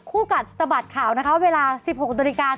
คู่กัดสะบัดข่าวนะคะเวลา๑๖น